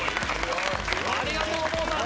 ありがとう「お坊さん」！